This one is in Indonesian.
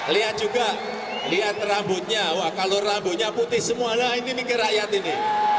lihat juga lihat rambutnya kalau rambutnya putih semuanya ini mikir rakyat ini